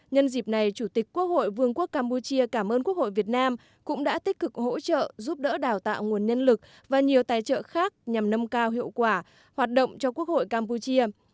nhân dịp này chủ tịch quốc hội vương quốc campuchia cảm ơn quốc hội việt nam cũng đã tích cực hỗ trợ giúp đỡ đào tạo nguồn nhân lực và nhiều tài trợ khác nhằm nâng cao hiệu quả hoạt động cho quốc hội campuchia